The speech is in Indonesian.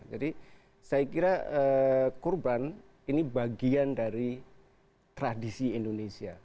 jadi saya kira kurban ini bagian dari tradisi indonesia